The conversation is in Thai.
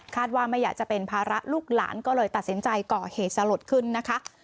ว่าไม่อยากจะเป็นภาระลูกหลานก็เลยตัดสินใจก่อเหตุสลดขึ้นนะคะ